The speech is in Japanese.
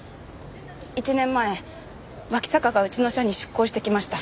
１年前脇坂がうちの社に出向してきました。